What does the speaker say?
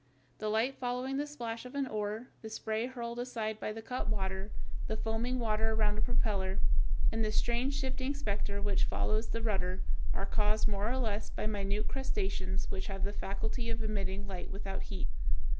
The light following the splash of an oar, the spray hurled aside by the cut water, the foaming water around a propeller, and the strange shifting specter which follows the rudder, are caused more or less by minute crustaceans which have the faculty of emitting light without heat.